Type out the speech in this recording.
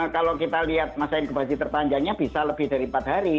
kalau kita lihat masa inkubasi terpanjangnya bisa lebih dari empat hari